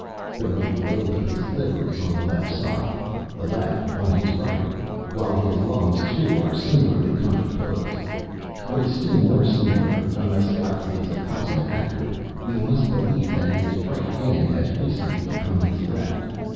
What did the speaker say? The right lobe of his liver is on the left side, the left on his right; while his lungs, too, are similarly contraposed. What is still more singular, unless Gottfried is a consummate actor, we must believe that his right hand has recently become his left.